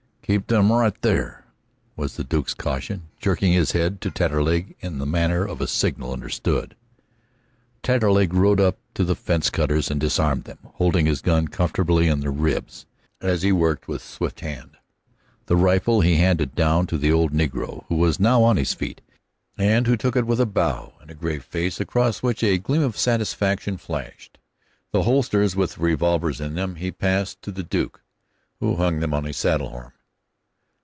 "Keep them right there," was the Duke's caution, jerking his head to Taterleg in the manner of a signal understood. Taterleg rode up to the fence cutters and disarmed them, holding his gun comfortably in their ribs as he worked with swift hand. The rifle he handed down to the old negro, who was now on his feet, and who took it with a bow and a grave face across which a gleam of satisfaction flashed. The holsters with the revolvers in them he passed to the Duke, who hung them on his saddle horn.